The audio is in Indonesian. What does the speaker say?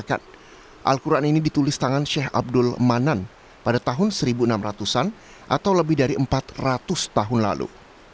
al quran ini ditulis tangan sheikh abdul manan pada tahun seribu enam ratus an atau lebih dari empat ratus tahun lalu